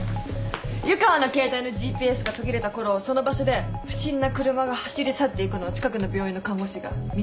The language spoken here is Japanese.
湯川の携帯のＧＰＳが途切れたころその場所で不審な車が走り去っていくのを近くの病院の看護師が見ていたんです。